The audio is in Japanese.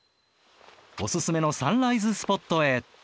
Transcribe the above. おすすめのサンライズスポットへ。